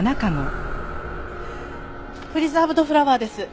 プリザーブドフラワーです。